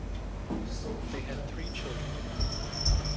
They had three children.